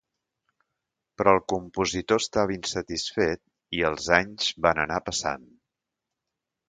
Però el compositor estava insatisfet i els anys van anar passant.